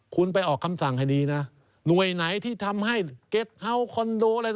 คุณไปออกคำสั่งให้ดีนะหน่วยไหนที่ทำให้เก็ตเฮาส์คอนโดอะไร